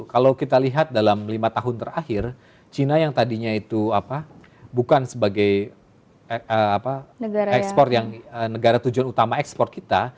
kalau kita lihat dalam lima tahun terakhir cina yang tadinya itu bukan sebagai ekspor yang negara tujuan utama ekspor kita